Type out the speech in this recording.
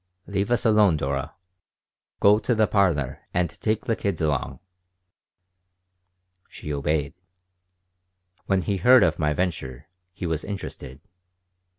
Leave us alone, Dora. Go to the parlor and take the kids along." She obeyed When he heard of my venture he was interested.